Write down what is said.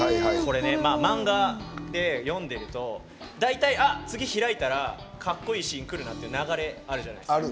マンガで読んでると大体、次開いたらかっこいいシーンくるなって流れあるじゃないですか。